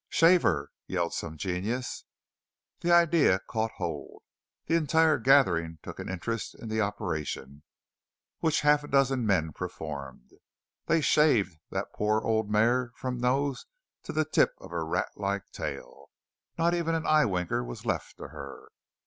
"Shave her!" yelled some genius. That idea caught hold. The entire gathering took an interest in the operation, which half a dozen men performed. They shaved that poor old mare from nose to the tip of her ratlike tail. Not even an eye winker was left to her.